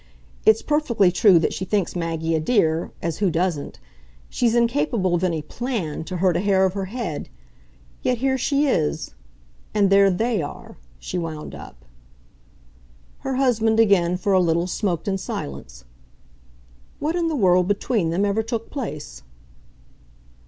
It's perfectly true that she thinks Maggie a dear as who doesn't? She's incapable of any PLAN to hurt a hair of her head. Yet here she is and there THEY are," she wound up. Her husband again, for a little, smoked in silence. "What in the world, between them, ever took place?"